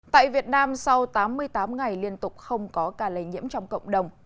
tại việt nam sau tám mươi tám ngày liên tục không có ca lây nhiễm trong cộng đồng